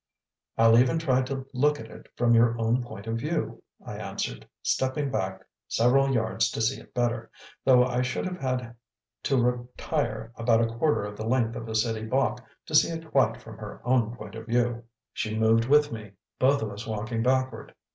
"I'll even try to look at it from your own point of view," I answered, stepping back several yards to see it better, though I should have had to retire about a quarter of the length of a city block to see it quite from her own point of view. She moved with me, both of us walking backward.